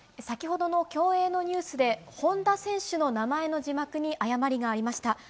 先ほどの競泳のニュースで選手の名前の字幕に誤りがありました。